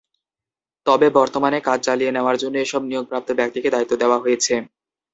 তবে বর্তমানে কাজ চালিয়ে নেওয়ার জন্য এসব নিয়োগপ্রাপ্ত ব্যক্তিকে দায়িত্ব দেওয়া হয়েছে।